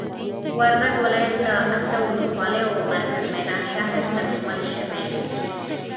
وردګ ولايت له اته ولسوالیو او مرکز میدان شهر تکمیل شوي دي.